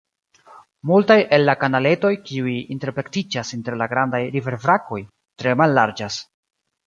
Multaj el la kanaletoj, kiuj interplektiĝas inter la grandaj riverbrakoj, tre mallarĝas.